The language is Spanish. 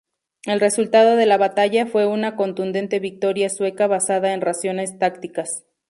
El resultado de la batalla fue una contundente victoria sueca basada en razones tácticas.